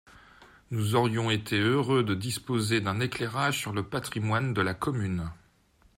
Nous aurions été heureux de disposer d’un éclairage sur le patrimoine de la commune.